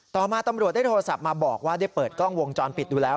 ต่อมาตำรวจได้โทรศัพท์มาบอกว่าได้เปิดกล้องวงจรปิดดูแล้ว